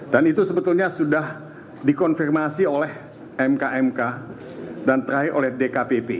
dan itu sebetulnya sudah dikonfirmasi oleh mk mk dan terakhir oleh dkpp